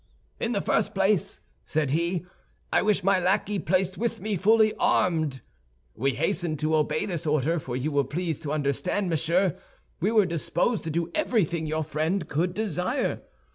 "'In the first place,' said he, 'I wish my lackey placed with me, fully armed.' We hastened to obey this order; for you will please to understand, monsieur, we were disposed to do everything your friend could desire.